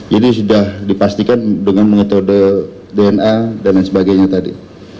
jadi sudah dipastikan dengan mengatode dna dan lain sebagainya tadi